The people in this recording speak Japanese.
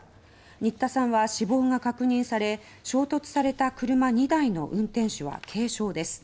新田さんは死亡が確認され衝突された車２台の運転手は軽傷です。